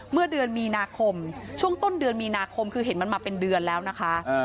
เมื่อเดือนมีนาคมช่วงต้นเดือนมีนาคมคือเห็นมันมาเป็นเดือนแล้วนะคะ